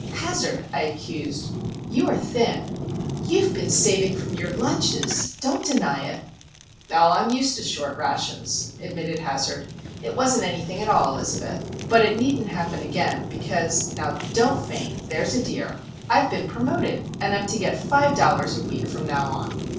"Hazard," I accused, "you are thin! You have been saving from your lunches,—don't deny it!" "Oh, I'm used to short rations," admitted Hazard. "It wasn't anything at all, Elizabeth. But it needn't happen again, because (now don't faint, there's a dear) I've been promoted, and am to get five dollars a week from now on!